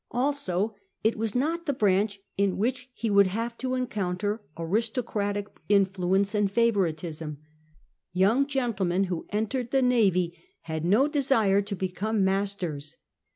Also, it was not the branch in which he would have to encounter aristocratic influeuce and favouritism. Young gentle men who entered the navy had no desire to become masters.